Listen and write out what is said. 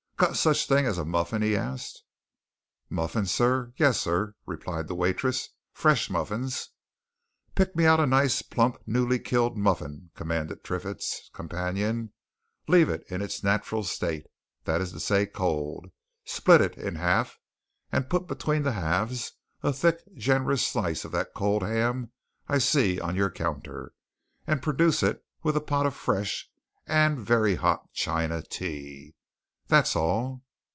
"Got such a thing as a muffin?" he asked. "Muffins, sir yes, sir," replied the waitress, "Fresh muffins." "Pick me out a nice, plump, newly killed muffin" commanded Triffitt's companion. "Leave it in its natural state that is to say, cold split it in half put between the halves a thick, generous slice of that cold ham I see on your counter, and produce it with a pot of fresh and very hot China tea. That's all."